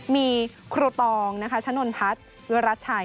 มีครูตองชะนลพัดวิวรัชชัย